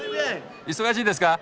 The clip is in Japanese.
忙しいですか？